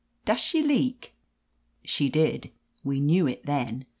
Does she leak ?" She did : we knew it then.